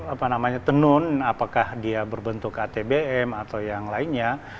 apa namanya tenun apakah dia berbentuk atbm atau yang lainnya